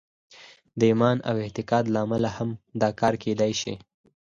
د ایمان او اعتقاد له امله هم دا کار کېدای شي